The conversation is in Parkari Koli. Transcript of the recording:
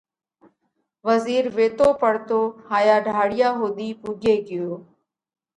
وزِير ويتو پڙتو هائيا ڍاۯِيا ۿُوڌِي پُوڳي ڳيو۔